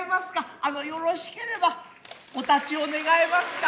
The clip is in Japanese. あのよろしければお立ちを願えますか。